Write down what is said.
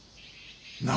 何。